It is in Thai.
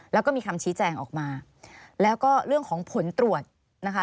แล้วก็มีคำชี้แจงออกมาแล้วก็เรื่องของผลตรวจนะคะ